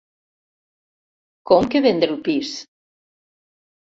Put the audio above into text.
Com que vendre el pis?